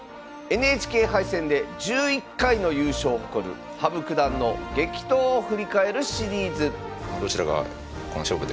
ＮＨＫ杯戦で１１回の優勝を誇る羽生九段の激闘を振り返るシリーズどちらがこの勝負で勝つかでね